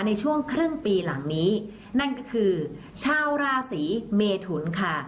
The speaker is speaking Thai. ในช่วงครึ่งปีหลังนี้นั่นก็คือชาวราศีเมทุนค่ะ